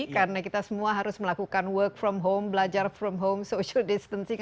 karena kita semua harus melakukan work from home belajar from home social distancing